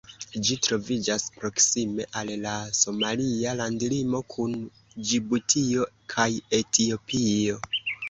Ĝi troviĝas proksime al la somalia landlimo kun Ĝibutio kaj Etiopio.